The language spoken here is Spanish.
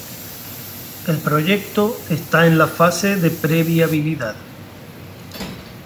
El proyecto está en la fase de pre-viabilidad.